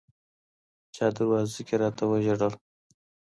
چـا دروازه كي راتـه وژړل